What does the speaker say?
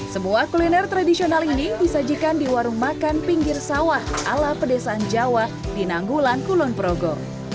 semua kuliner tradisional ini disajikan di warung makan pinggir sawah ala pedesaan jawa di nanggulan kulon progo